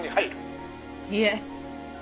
いえ。